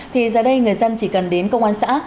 thì giờ đây người dân chỉ cần đến công an xã